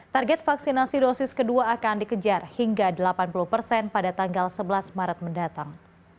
target vaksinasi dosis kedua akan dikejar hingga delapan puluh persen pada tanggal sebelas maret mendatang